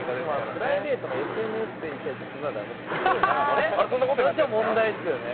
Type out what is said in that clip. プライベートのＳＮＳでいちゃいちゃするのはちょっと問題ですよね。